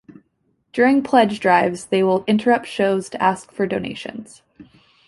During pledge drives they will interrupt shows to ask for donations.